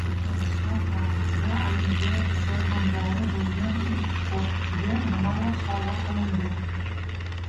Turkmaniston tarixida olimpiada sovrindori bo‘lgan ilk sportchiga nimalar sovg‘a qilindi?